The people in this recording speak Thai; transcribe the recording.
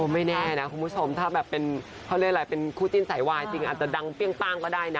ไม่แน่นะคุณผู้ชมถ้าแบบเป็นเขาเรียกอะไรเป็นคู่จิ้นสายวายจริงอาจจะดังเปรี้ยงป้างก็ได้นะ